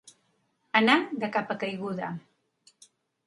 Anar de capa caiguda.